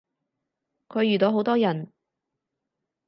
佢遇到好多人